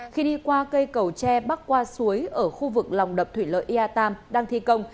khi đi qua cây cầu tre bắc qua suối ở khu vực lòng đập thủy lợi ia tam đang thi công